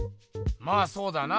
まあそうだな。